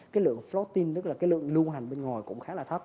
cái lượng prostin tức là cái lượng lưu hành bên ngoài cũng khá là thấp